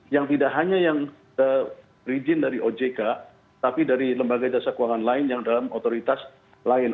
yang tidak hanya yang berizin dari ojk tapi dari lembaga jasa keuangan lain yang dalam otoritas lain